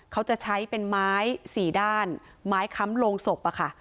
เขาจะใช้เป็นไม้สี่ด้านไม้ค้ำโรงศพอะค่ะ